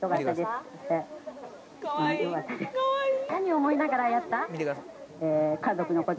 何を思いながらやった？